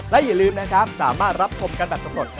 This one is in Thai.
และอย่าลืมนะครับสามารถรับชมกันแบบสำรวจ